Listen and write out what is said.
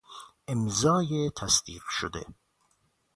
امضای تصدیق شده